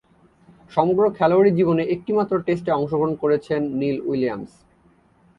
সমগ্র খেলোয়াড়ী জীবনে একটিমাত্র টেস্টে অংশগ্রহণ করেছেন নীল উইলিয়ামস।